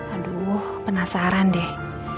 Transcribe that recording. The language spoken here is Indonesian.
aduh penasaran deh